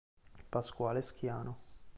Pasquale Schiano